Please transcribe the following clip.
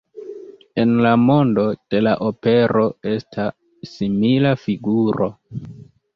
En la mondo de la opero esta simila figuro.